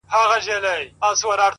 مورې بيا نو ولې ته!! ماته توروې سترگي!!